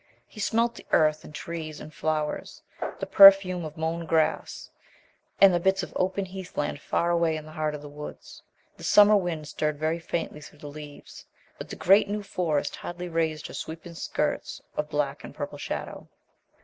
He smelt the earth and trees and flowers, the perfume of mown grass, and the bits of open heath land far away in the heart of the woods. The summer wind stirred very faintly through the leaves. But the great New Forest hardly raised her sweeping skirts of black and purple shadow.